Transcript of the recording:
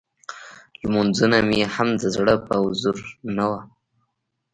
لمونځونه مې هم د زړه په حضور نه وو.